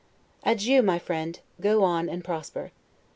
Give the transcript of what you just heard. Adieu, my friend! go on and prosper.